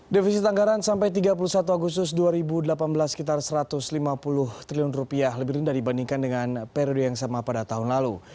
defisit anggaran sampai tiga puluh satu agustus dua ribu delapan belas sekitar satu ratus lima puluh triliun rupiah lebih rendah dibandingkan dengan periode yang sama pada tahun lalu